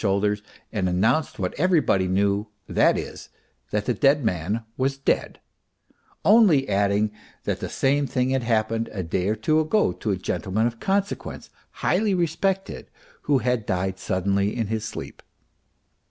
PROHARTCHIN shoulders and announced what everybody knew, that is, that the dead man was dead, only adding that the same thing had happened a day or two ago to a gentleman of consequence, highly respected, who had died suddenly in his sleep.